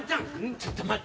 ちょっと待って。